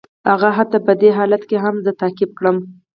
هغه حتی په دې بد حالت کې هم زه تعقیب کړم